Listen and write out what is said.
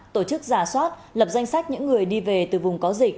tổ chức giả soát lập danh sách những người đi về từ vùng cầu